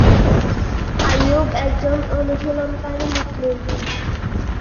আইয়ুব একজন অনুশীলনকারী মুসলিম।